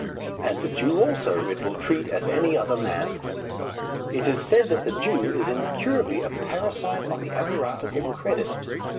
And the Jew also it will treat as any other man. It is said that the Jew is incurably a parasite on the apparatus of credit.